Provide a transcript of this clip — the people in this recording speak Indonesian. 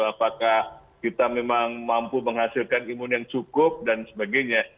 apakah kita memang mampu menghasilkan imun yang cukup dan sebagainya